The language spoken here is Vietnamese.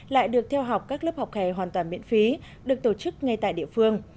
lại được theo học các lớp học hè hoàn toàn miễn phí được tổ chức ngay tại địa phương